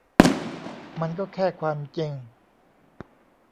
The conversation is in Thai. มันก็แค่ความจริง